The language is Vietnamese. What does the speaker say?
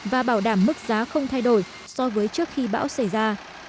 và bảo đảm mức giá không thay đổi so với trước khi bão xảy ra